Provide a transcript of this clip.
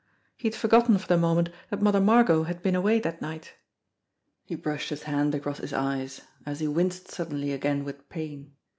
He had forgotten for the moment that Mother Margot had been away that night. He brushed his hand across his eyes, as he winced sud denly again with pain.